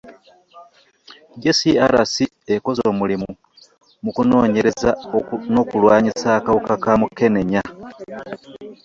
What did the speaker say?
JCRC ekoze omulimu mu kunoonyereza n'okulwanyisa akawuka ka Mukenenya